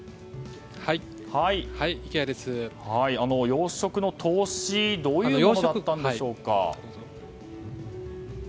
養殖の投資どういうものだったんでしょうか。